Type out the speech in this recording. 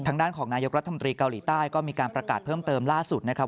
ทางด้านของนายกรัฐมนตรีเกาหลีใต้ก็มีการประกาศเพิ่มเติมล่าสุดนะครับ